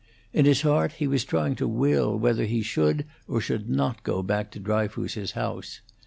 In his heart he was trying to will whether he should or should not go back to Dryfoos's house.